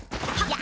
や。